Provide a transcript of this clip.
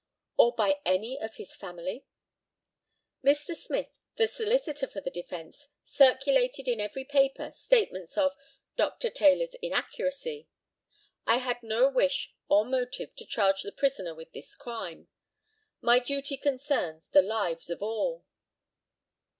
Or by any of his family? Mr. Smith, the solicitor for the defence, circulated in every paper statements of "Dr. Taylor's inaccuracy." I had no wish or motive to charge the prisoner with this crime. My duty concerns the lives of all.